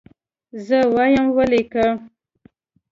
زه وایم ولیکه.